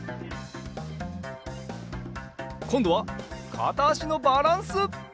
こんどはかたあしのバランス！